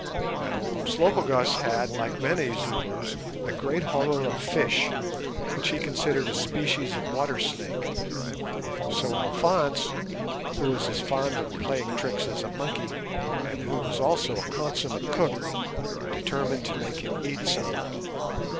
Now Umslopogaas had, like many Zulus, a great horror of fish, which he considered a species of water snake; so Alphonse, who was as fond of playing tricks as a monkey, and who was also a consummate cook, determined to make him eat some.